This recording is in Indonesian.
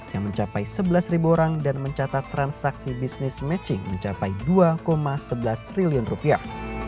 yang mencapai sebelas orang dan mencatat transaksi bisnis matching mencapai dua sebelas triliun rupiah